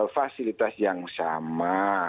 fasilitas yang sama